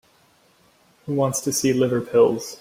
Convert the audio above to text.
Who wants to see liver pills?